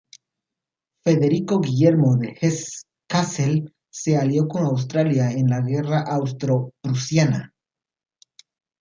Federico Guillermo de Hesse-Kassel se alió con Austria en la guerra austro-prusiana.